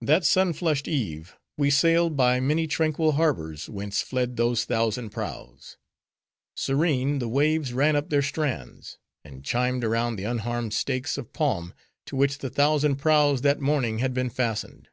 That sun flushed eve, we sailed by many tranquil harbors, whence fled those thousand prows. Serene, the waves ran up their strands; and chimed around the unharmed stakes of palm, to which the thousand prows that morning had been fastened.